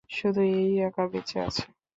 শুধু এ ই একা বেচে আছে।